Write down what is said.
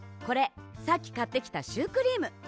これさっきかってきたシュークリーム。